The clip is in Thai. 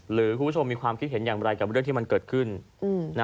หรือคุณผู้ชมมีความคิดเห็นอย่างไรกับเรื่องที่มันเกิดขึ้น